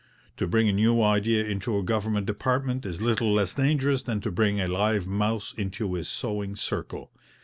To bring a new idea into a government department is little less dangerous than to bring a live mouse into a sewing circle.